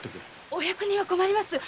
お役人は困ります。